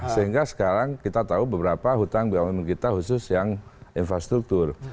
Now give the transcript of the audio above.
sehingga sekarang kita tahu beberapa hutang bumn kita khusus yang infrastruktur